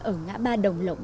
ở ngã ba đồng lộng